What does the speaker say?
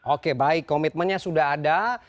oke baik komitmennya sudah ada